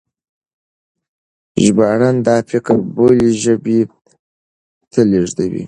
ژباړن دا فکر بلې ژبې ته لېږدوي.